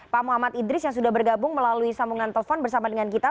pak muhammad idris yang sudah bergabung melalui sambungan telepon bersama dengan kita